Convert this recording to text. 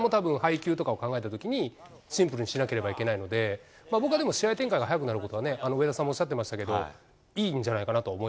これはピッチャーもたぶん、配球とかを考えたときに、シンプルにしなければいけないので、僕はでも、試合展開が速くなることはね、上田さんもおっしゃってましたけど、いいんじゃないかな